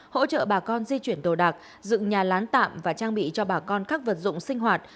hỗ trợ bà con di chuyển đồ đạc dựng nhà lán tạm và trang bị cho bà con các vật dụng sinh hoạt